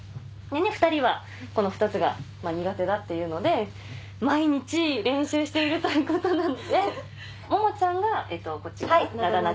２人はこの２つが苦手だっていうので毎日練習しているということなのでモモちゃんがこっちかな？